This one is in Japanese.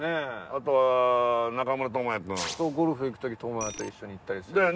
あとは中村倫也くん。とゴルフ行く時倫也と一緒に行ったりするし。